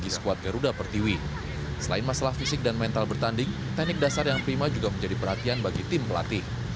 selain masalah fisik dan mental bertanding teknik dasar yang prima juga menjadi perhatian bagi tim pelatih